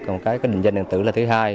còn cái định danh điện tử là thứ hai